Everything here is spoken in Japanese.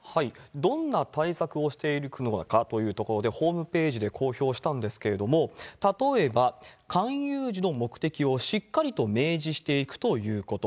どんな対策をしていくのかというところでホームページで公表したんですけど、例えば、勧誘時の目的をしっかりと明示していくということ。